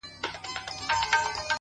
• چي زندان تر آزادۍ ورته بهتر وي ,